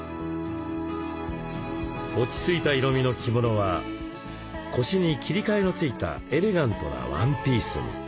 落ち着いた色みの着物は腰に切り替えのついたエレガントなワンピースに。